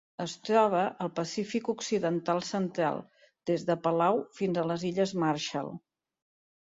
Es troba al Pacífic occidental central: des de Palau fins a les illes Marshall.